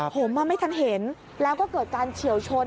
ผมไม่ทันเห็นแล้วก็เกิดการเฉียวชน